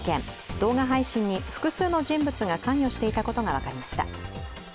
動画配信に複数の人物が関与していたことが分かりました。